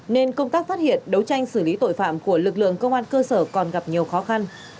nên công tác phát hiện đấu tranh xử lý tội phạm của lực lượng công an cơ sở còn gặp nhiều khó khăn